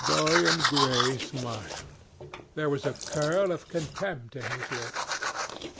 Dorian Gray smiled. There was a curl of contempt in his lips.